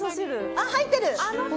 あっ入ってる！